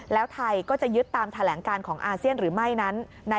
แล้วไทยก็จะยึดตามแถลงการของอาเซียนหรือไม่นั้น